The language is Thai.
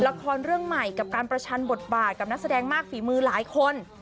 ละครเรื่องใหม่กับการประชันบทบาทกับนักแสดงมากฝีมือหลายคน